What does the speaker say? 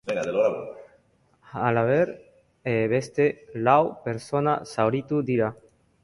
Halaber, beste lau pertsona zauritu dira.